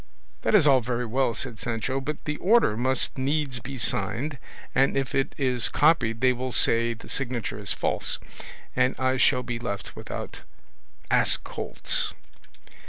"That is all very well," said Sancho, "but the order must needs be signed, and if it is copied they will say the signature is false, and I shall be left without ass colts."